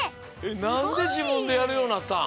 なんでじぶんでやるようになったん？